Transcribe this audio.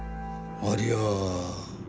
ありゃ。